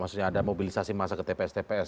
maksudnya ada mobilisasi masa ke tps tps